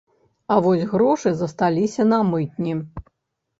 А вось грошы засталіся на мытні.